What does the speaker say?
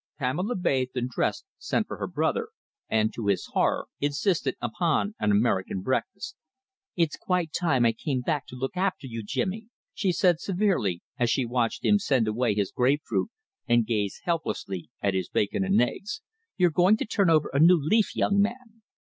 Pamela bathed and dressed, sent for her brother, and, to his horror, insisted upon an American breakfast. "It's quite time I came back to look after you, Jimmy," she said severely, as she watched him send away his grapefruit and gaze helplessly at his bacon and eggs. "You're going to turn over a new leaf, young man."